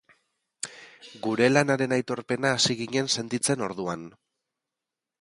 Gure lanaren aitorpena hasi ginen sentitzen orduan.